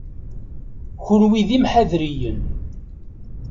Kenwi d imḥadriyen.